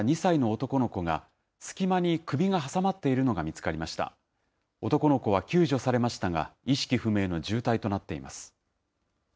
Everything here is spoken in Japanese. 男の子は救助されましたが、意識不明の重体となっています。